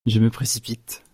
Je me précipite.